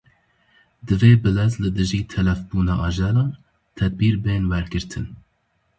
Divê bilez li dijî telefbûna ajelan tedbîr bên wergirtin.